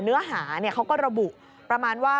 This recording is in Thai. เนื้อหาเขาก็ระบุประมาณว่า